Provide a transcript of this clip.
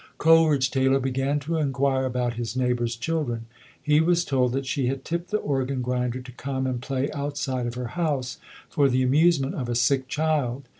Coleridge Taylor began to inquire about his neighbor's children. He was told that she had tipped the organ grinder to come and play out side of her house for the amusement of a sick child.